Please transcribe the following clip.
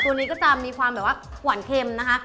ตัวนี้ก็จะมีความแบบว่าหวานเค็มนะคะ